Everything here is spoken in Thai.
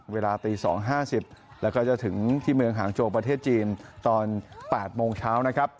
เวลาตี๒๕๐แล้วก็จะถึงที่เมืองหางโจประเทศจีนตอน๘โมงเช้านะครับ